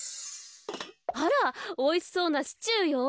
あらおいしそうなシチューよ。